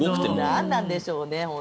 なんなんでしょうね。